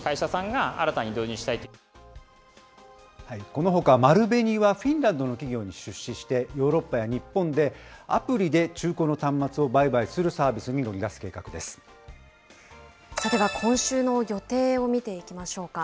このほか、丸紅はフィンランドの企業に出資して、ヨーロッパや日本でアプリで中古の端末を売買するサービスに乗りそれでは、今週の予定を見ていきましょうか。